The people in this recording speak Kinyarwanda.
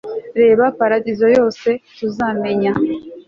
reba paradizo yose tuzamenya